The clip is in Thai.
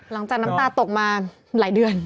หลังจากน้ำตาตกมาหลายเดือน